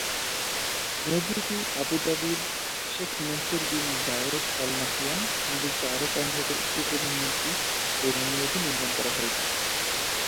মসজিদটি আবু দাবির Sheikh Mansour bin Zayed Al Nahyan, সংযুক্ত আরব আমিরাতের উপ প্রধানমন্ত্রী, এর অনুরোধে নির্মাণ করা হয়েছিল।